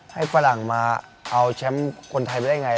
ฝรั่งมาเอาแชมป์คนไทยไปได้ไง